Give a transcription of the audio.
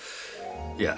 いや。